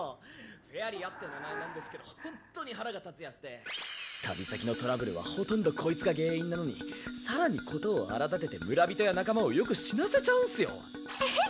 フェアリアって名前なんですけどほんっとに腹が立つヤツで旅先のトラブルはほとんどこいつが原因なのに更に事を荒立てて村人や仲間をよく死なせちゃうんすよ。